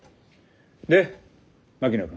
で槙野君。